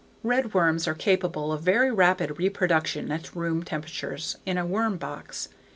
Redworms are capable of very rapid reproduction at room temperatures in a worm box.